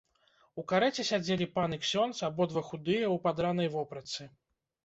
У карэце сядзелі пан і ксёндз, абодва худыя, у падранай вопратцы.